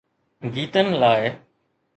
گيتن لاءِ.